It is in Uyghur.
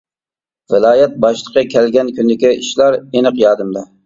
ۋىلايەت باشلىقى كەلگەن كۈندىكى ئىشلار ئېنىق يادىمدا.